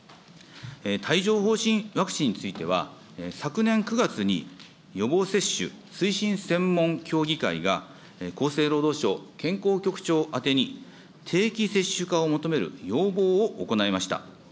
帯状ほう疹ワクチンについては、昨年９月に予防接種推進専門協議会が、厚生労働省健康局長宛てに定期接種化を求める要望を行いました。